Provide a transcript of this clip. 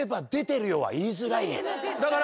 だから。